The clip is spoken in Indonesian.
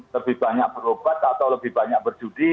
lebih banyak berobat atau lebih banyak berjudi